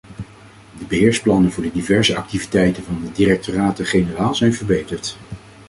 De beheersplannen voor de diverse activiteiten van de directoraten-generaal zijn verbeterd.